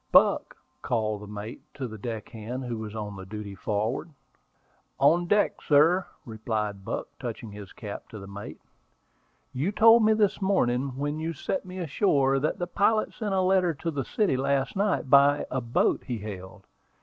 "Buck," called the mate to the deck hand who was on duty forward. "On deck, sir," replied Buck, touching his cap to the mate. "You told me this morning, when you set me ashore, that the pilot sent a letter to the city last night by a boat he hailed."